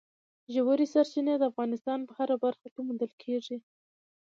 ژورې سرچینې د افغانستان په هره برخه کې موندل کېږي.